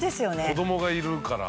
子供がいるから。